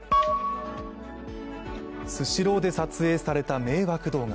スシローで撮影された迷惑動画。